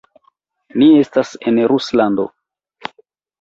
Ni estas en Ruslando.